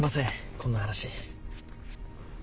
こんな話。